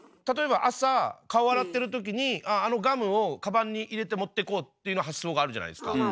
例えば朝顔洗ってる時にあっあのガムをカバンに入れて持ってこうっていうような発想があるじゃないですか。